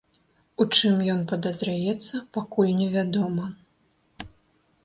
У чым ён падазраецца, пакуль невядома.